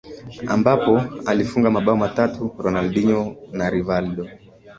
Ambapo alifunga mabao matatu na Ronaldinho na Rivaldo